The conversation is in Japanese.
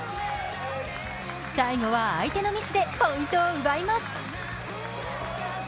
最後は相手のミスでポイントを奪います。